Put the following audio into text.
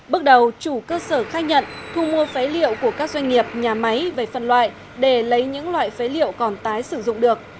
bước đầu chủ cơ sở khai nhận thu mua phế liệu của các doanh nghiệp nhà máy về phân loại để lấy những loại phế liệu còn tái sử dụng được